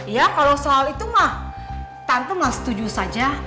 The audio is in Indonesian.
ya kalau soal itu tante mau setuju saja